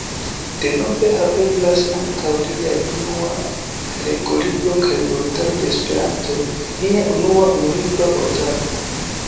Denove haveblas ankaŭ liaj Unua legolibro kaj Vortaro de Esperanto, nia unua unulingva vortaro.